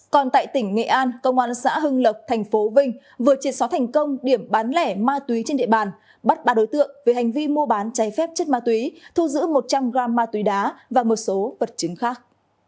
còn tại tỉnh nghệ an công an xã hưng lộc thành phố vinh vừa triệt xóa thành công điểm bán lẻ ma túy trên địa bàn bắt ba đối tượng về hành vi mua bán cháy phép chất ma túy thu giữ một trăm linh g ma túy đá và một số vật chứng khác